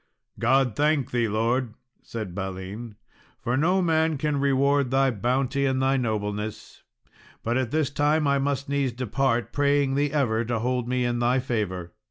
"God thank thee, Lord," said Balin, "for no man can reward thy bounty and thy nobleness; but at this time I must needs depart, praying thee ever to hold me in thy favour."